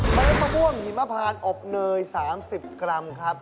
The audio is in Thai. เล็ดมะม่วงหิมพานอบเนย๓๐กรัมครับ